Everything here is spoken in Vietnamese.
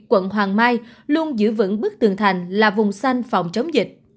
quận hoàng mai luôn giữ vững bức tường thành là vùng xanh phòng chống dịch